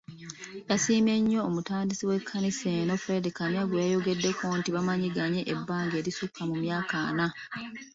Yasiimye nnyo omutandisi w'ekkanisa eno Fred Kamya gwe yayogeddeko nti bamanyiganye ebbanga erisukka emyaka ana.